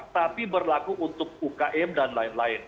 tapi berlaku untuk ukm dan lain lain